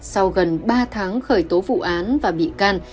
sau gần ba tháng khởi tố vụ án và bị can